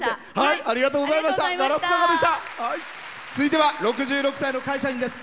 続いては６６歳の会社員です。